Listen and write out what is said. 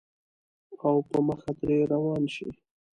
او پۀ مخه ترې روان شې